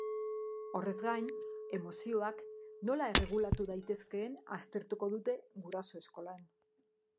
Horrez gain, emozioak nola erregulatu daitezkeen aztertuko dute guraso eskolan.